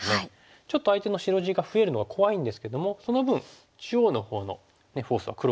ちょっと相手の白地が増えるのが怖いんですけどもその分中央のほうのフォースは黒が有利ですよね。